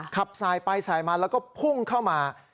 ขับสายไปสายมาแล้วก็พุ่งเข้ามา